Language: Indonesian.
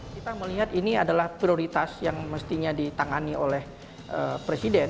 kita melihat ini adalah prioritas yang mestinya ditangani oleh presiden